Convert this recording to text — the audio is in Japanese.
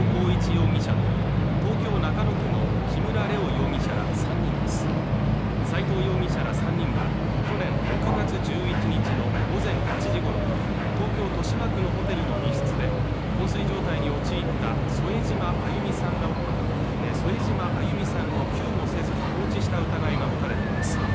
容疑者と東京中野区の木村玲雄容疑者ら３人です斎藤容疑者ら３人は去年６月１１日の午前８時ごろ東京豊島区のホテルの一室で昏睡状態に陥った添島亜祐美さんを救護せず放置した疑いが持たれています